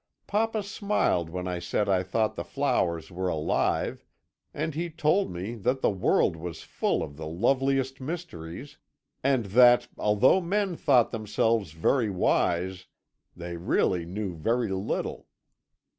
Papa smiled when I said I thought the flowers were alive, and he told me that the world was full of the loveliest mysteries, and that, although men thought themselves very wise, they really knew very little.